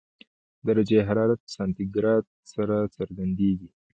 درجه حرارت په سانتي ګراد سره څرګندېږي.